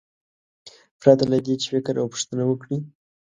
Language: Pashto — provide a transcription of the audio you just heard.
پرته له دې چې فکر او پوښتنه وکړي.